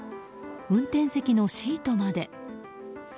運転席のシートまで。